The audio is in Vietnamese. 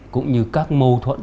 cũng như các mâu thuẫn